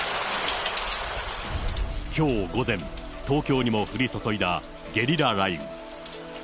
きょう午前、東京にも降り注いだゲリラ雷雨。